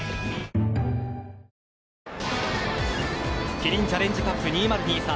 キリンチャレンジカップ２０２３